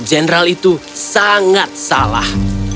general itu sangat salah